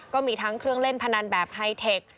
ก็มีทั้งเครื่องเล่นพนันแบบไฮเทค